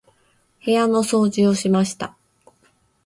部屋の掃除をしました。